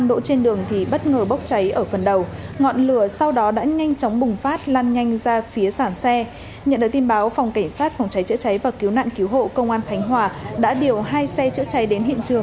đỗ trên đường thì bất ngờ bốc cháy ở phần đầu ngọn lửa sau đó đã nhanh chóng bùng phát lan nhanh ra phía sàn xe